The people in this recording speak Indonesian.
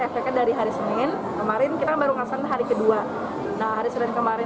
efeknya dari hari senin kemarin kita baru ngesen hari kedua nah hari senin kemarin